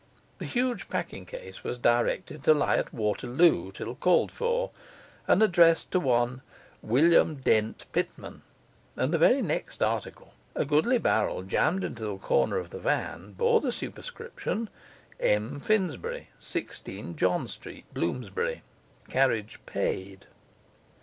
The huge packing case was directed to lie at Waterloo till called for, and addressed to one 'William Dent Pitman'; and the very next article, a goodly barrel jammed into the corner of the van, bore the superscription, 'M. Finsbury, 16 John Street, Bloomsbury. Carriage paid.